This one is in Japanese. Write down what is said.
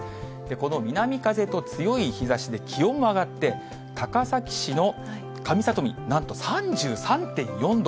この南風と強い日ざしで、気温は上がって、高崎市の上里見、なんと３３．４度。